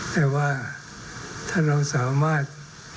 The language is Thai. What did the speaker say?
แต่ว่าถ้าเราสามารถ